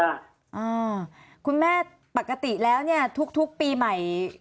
อ่าคุณแม่ปกติแล้วทุกปีใหม่